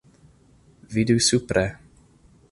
Vidu supre.